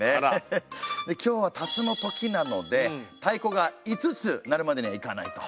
で今日は「辰のとき」なので太鼓が五つ鳴るまでには行かないと。